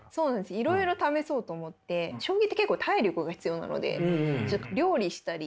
いろいろ試そうと思って将棋って結構体力が必要なので料理！